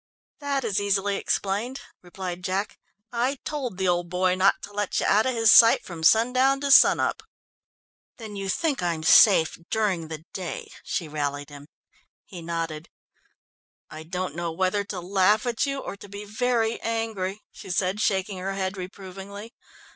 "That is easily explained," replied Jack. "I told the old boy not to let you out of his sight from sundown to sun up." "Then you think I'm safe during the day?" she rallied him. He nodded. "I don't know whether to laugh at you or to be very angry," she said, shaking her head reprovingly.